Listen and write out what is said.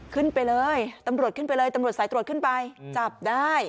ขึ้นไปเลยตำรวจขึ้นไปเลยตำรวจสายตรวจขึ้นไปจับได้